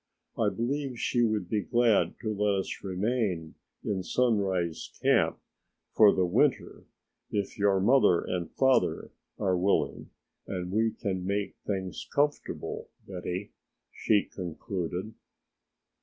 I believe she would be glad to let us remain in Sunrise Camp for the winter if your mother and father are willing and we can make things comfortable, Betty," she concluded.